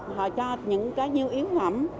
họ cho những cái nhiêu yếu mẩm